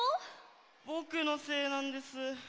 ぼくのせいなんです。